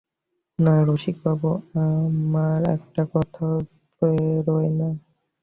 না রসিকবাবু, আমার একটা কথাও বেরোয় না।